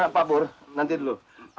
pak bur nanti dulu